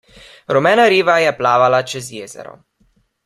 Rumena riba je plavala čez jezero.